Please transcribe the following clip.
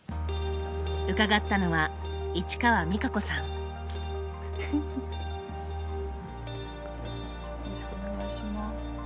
伺ったのはよろしくお願いします。